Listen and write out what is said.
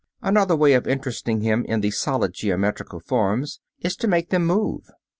Another way of interesting him in the solid geometrical forms is to make them move.